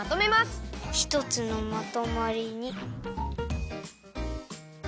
ひとつのまとまりに。